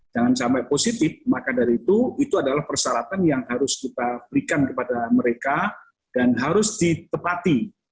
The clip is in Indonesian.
jangan sampai positif maka dari itu itu adalah persyaratan yang harus kita berikan kepada mereka dan harus ditepati